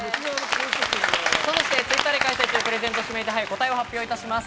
Ｔｗｉｔｔｅｒで開催中プレゼント指名手配、答えを発表いたします。